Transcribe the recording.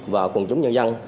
và quần chúng nhân dân